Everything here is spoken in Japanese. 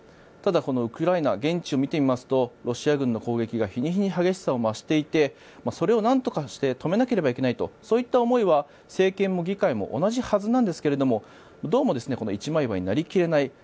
ただ、ウクライナ現地を見てみますとロシア軍の攻撃が日に日に激しさを増していてそれをなんとかして止めないといけないとそういった思いは政権も議会も同じはずなんですがどうも一枚岩になり切れない